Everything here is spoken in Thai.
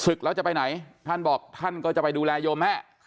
แล้วจะไปไหนท่านบอกท่านก็จะไปดูแลโยมแม่